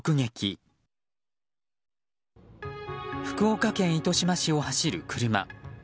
福岡県糸島市を走る車。